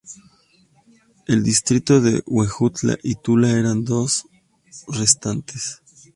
El distrito de Huejutla y Tula eran los dos restantes.